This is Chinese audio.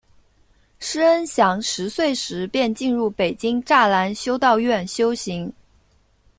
师恩祥十岁时便进入北京栅栏修道院修行。